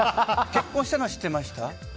結婚したのは知ってました？